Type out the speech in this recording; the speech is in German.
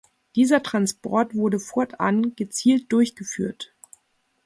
Dieser Transport wurde fortan gezielt durchgeführt.